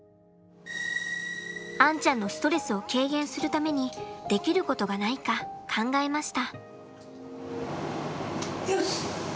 アンちゃんのストレスを軽減するためにできることがないか考えました。